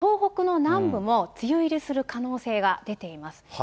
あと東北の南部も、梅雨入りする可能性が出ています。